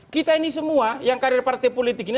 kita ini semua yang karir partai politik ini